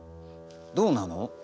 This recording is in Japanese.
どうなの？